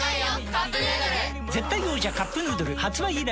絶対王者「カップヌードル」発売以来